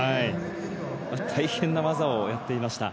大変な技をやっていました。